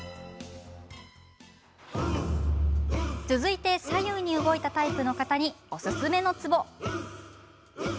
続いて左右に動いたタイプの方におすすめのツボ。